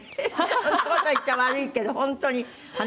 こんな事言っちゃ悪いけど本当に鼻筋が。